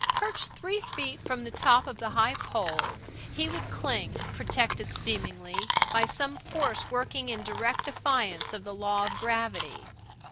Perched three feet from the top of the high pole he would cling, protected, seemingly, by some force working in direct defiance of the law of gravity.